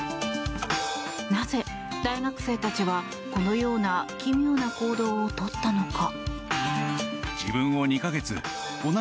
なぜ大学生たちは、このような奇妙な行動をとったのか？